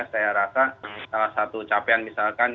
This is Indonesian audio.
saya rasa salah satu capaian misalkan